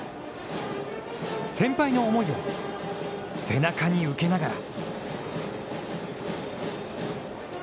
先輩の思いを背中に受けながら。